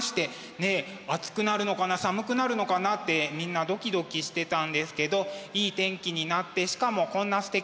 ねえ暑くなるのかな寒くなるのかなってみんなドキドキしてたんですけどいい天気になってしかもこんなすてきな場所で。